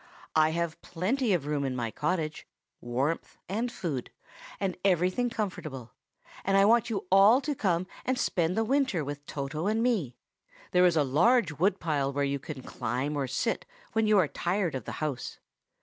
I have plenty of room in my cottage, warmth, and food, and everything comfortable; and I want you all to come and spend the winter with Toto and me. There is a large wood pile where you can climb or sit when you are tired of the house.